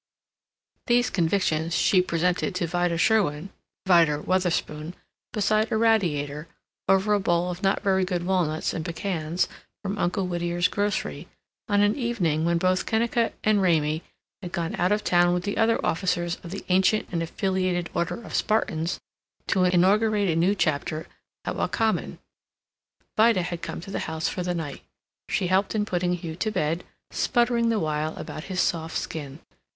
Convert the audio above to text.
These convictions she presented to Vida Sherwin Vida Wutherspoon beside a radiator, over a bowl of not very good walnuts and pecans from Uncle Whittier's grocery, on an evening when both Kennicott and Raymie had gone out of town with the other officers of the Ancient and Affiliated Order of Spartans, to inaugurate a new chapter at Wakamin. Vida had come to the house for the night. She helped in putting Hugh to bed, sputtering the while about his soft skin.